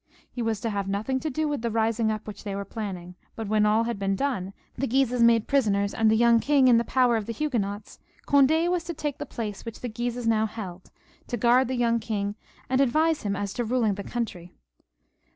He was to have nothing to do with the rising up which they were planning, but when all had been done, the Guises made prisoners and the young king in the power of the Huguenots, Cond6 was to take the place which the Guises now held, to guard the young king, and advise him as to ruling the country.